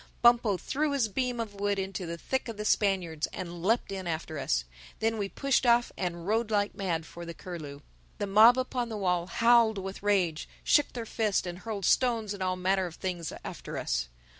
Bumpo threw his beam of wood into the thick of the Spaniards and leapt in after us. Then we pushed off and rowed like mad for the Curlew. The mob upon the wall howled with rage, shook their fists and hurled stones and all manner of things after us.